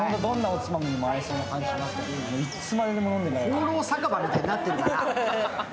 放浪酒場みたいになってるから。